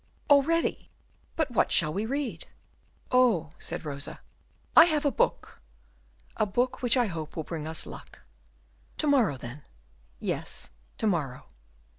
"Already? But what shall we read?" "Oh," said Rosa, "I have a book, a book which I hope will bring us luck." "To morrow, then." "Yes, to morrow."